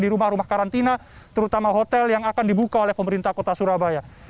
di rumah rumah karantina terutama hotel yang akan dibuka oleh pemerintah kota surabaya